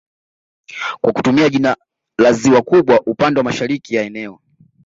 kwa kutumia jina la ziwa kubwa upande wa mashariki ya eneo